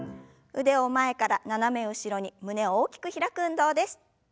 腕を前から斜め後ろに胸を大きく開く運動です。